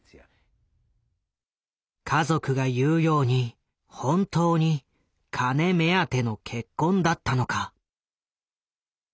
家族が言うように本当に金目当ての結婚だったのか。